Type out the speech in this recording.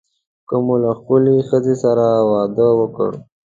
که مو له ښکلې ښځې سره واده وکړ.